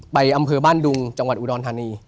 อำเภอบ้านดุงจังหวัดอุดรธานี